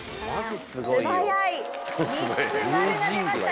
素早い３つマルが出ました